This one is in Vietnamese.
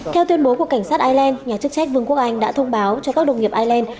theo tuyên bố của cảnh sát ireland nhà chức trách vương quốc anh đã thông báo cho các đồng nghiệp ireland